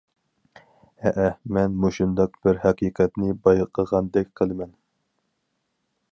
ھەئە، مەن مۇشۇنداق بىر ھەقىقەتنى بايقىغاندەك قىلىمەن.